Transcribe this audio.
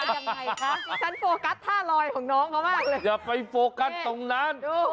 อย่าไปโฟกัสตรงนั้นให้โฟกัสของกิน